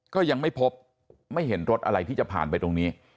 ก็ยังไม่พบไม่เห็นรถอะไรที่จะผ่านไปตรงนี้